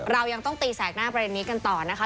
เรายังต้องตีแสกหน้าประเด็นนี้กันต่อนะคะ